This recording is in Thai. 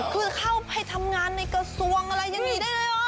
คือเข้าไปทำงานในกระทรวงอะไรอย่างนี้ได้เลยเหรอ